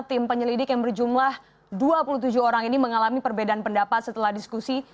tim penyelidik yang berjumlah dua puluh tujuh orang ini mengalami perbedaan pendapat setelah diskusi